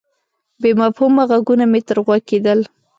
بې مفهومه ږغونه مې تر غوږ کېدل.